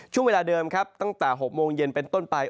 ช่วงเวลาเดิมครับตั้งแต่๖โมงเย็นเป็นต้นไป